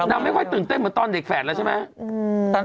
นางไม่ค่อยตื่นเต้นเหมือนตอนเด็กแฝดแล้วใช่ไหม